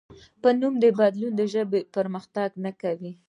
په نوم بدلولو ژبه پرمختګ نه کوي.